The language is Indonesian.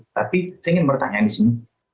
tapi saya ingin bertanya di sini